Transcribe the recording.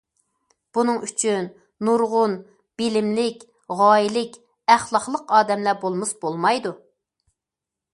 بۇنىڭ ئۈچۈن نۇرغۇن بىلىملىك، غايىلىك، ئەخلاقلىق ئادەملەر بولمىسا بولمايدۇ.